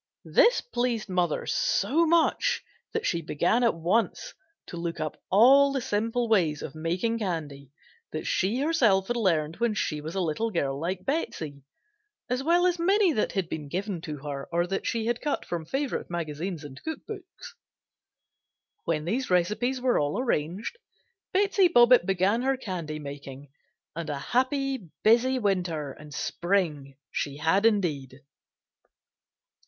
This pleased mother so much that she began at once to look up all the simple ways of making candy that she herself had learned when she was a little girl like Betsey, as well as many that had been given to her or that she had cut from favorite magazines and cook books. When these recipes were all arranged, Betsey Bobbitt began her candy making, and a happy, busy winter and spring she had indeed.